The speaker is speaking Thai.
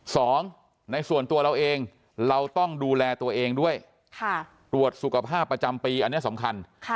สองในส่วนตัวเราเองเราต้องดูแลตัวเองด้วยตรวจสุขภาพประจำปีอันนี้สำคัญ